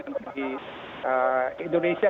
untuk di indonesia